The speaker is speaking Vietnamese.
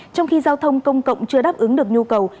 trong khi giao thông công cộng chưa đáp ứng được nhu cầu